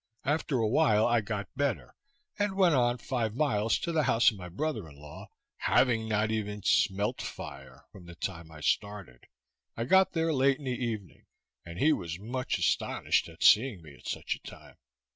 After a while I got better, and went on five miles to the house of my brother in law, having not even smelt fire from the time I started. I got there late in the evening, and he was much astonished at seeing me at such a time.